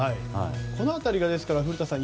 この辺り、古田さん